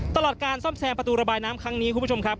ตลอดการซ่อมแซมประตูระบายน้ำครั้งนี้คุณผู้ชมครับ